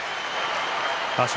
場所